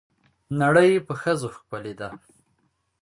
نړۍ په ښځو ښکلې ده.